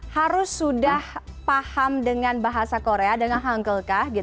harus sudah paham dengan bahasa korea dengan hungkle kah